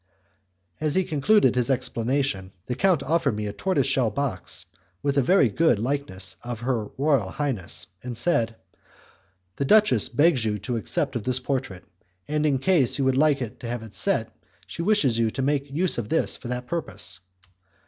As he concluded his explanation, the count offered me a tortoise shell box with a very good likeness of her royal highness, and said, "The duchess begs your acceptance of this portrait, and, in case you would like to have it set she wishes you to make use of this for that purpose."